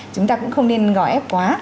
chúng ta cũng không nên gò ép quá